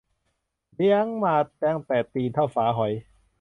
เลี้ยงมาตั้งแต่ตีนเท่าฝาหอย